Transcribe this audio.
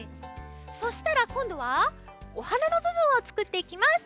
そしたらこんどはお花のぶぶんをつくっていきます。